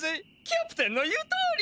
キャプテンの言うとおり！